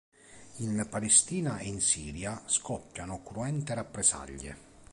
In Palestina e in Siria scoppiarono cruente rappresaglie.